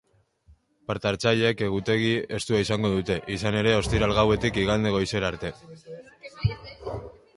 Parte-hartzaileek egutegi estua izango dute, izan ere ostiral gauetik igande goizera arte.